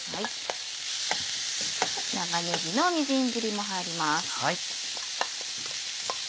長ねぎのみじん切りも入ります。